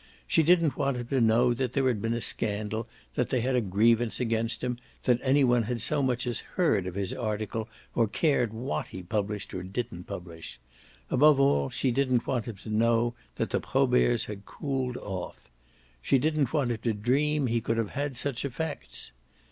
She didn't want him to know there had been a scandal, that they had a grievance against him, that any one had so much as heard of his article or cared what he published or didn't publish; above all she didn't want him to know that the Proberts had cooled off. She didn't want him to dream he could have had such effects.